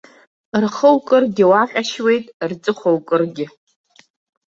Рхы укыргьы уаҟьашьуеит, рҵыхәа укыргьы.